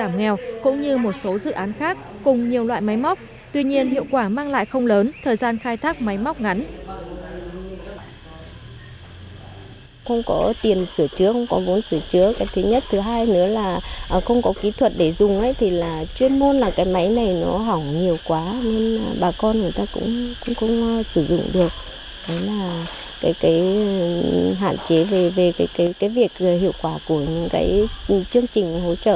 giảm nghèo cũng như một số dự án khác cùng nhiều loại máy móc tuy nhiên hiệu quả mang lại không lớn thời gian khai thác máy móc ngắn